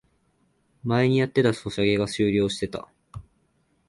前にやってたソシャゲが終了してた